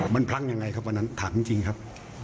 มันพลั่งยังไงครับวันนั้นถามจริงครับ